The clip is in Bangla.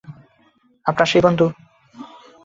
আপনার সেই বন্ধু?